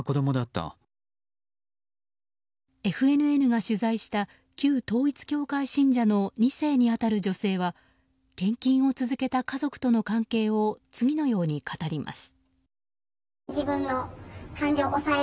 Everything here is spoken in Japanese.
ＦＮＮが取材した旧統一教会信者の２世に当たる女性は献金を続けた家族との関係を次のように語ります。